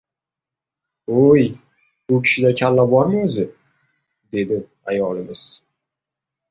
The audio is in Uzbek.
— O‘-o‘y, bu kishida kalla bormi o‘zi? — dedi ayolimiz.